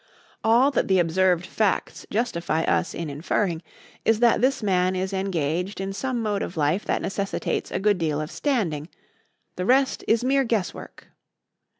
All that the observed facts justify us in inferring is that this man is engaged in some mode of life that necessitates a good deal of standing; the rest is mere guess work."